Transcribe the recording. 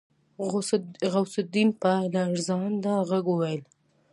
غوث الدين په لړزانده غږ وويل.